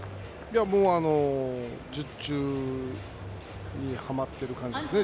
もう術中にはまっている感じですね